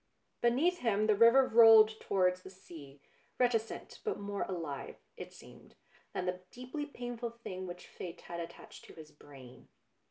Beneath him the river rolled towards the 17 242 BLUE BLOOD sea, reticent but more alive, it seemed, than the deeply painful thing which fate had attached to his brain.